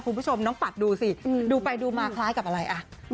คุณผู้ชมน้องปัดดูสิดูไปดูมาคล้ายกับอะไรอ่ะ